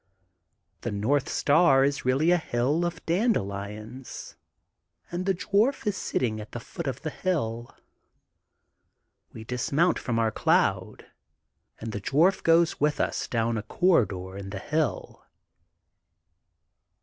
The North Star is really a hill of dandelions, and the dwarf is sitting at the foot of the hill. We dismount from our cloud and the dwarf goes with us down a corridor in the hill.